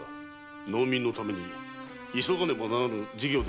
〔農民のために急がねばならぬ事業ではないのか？〕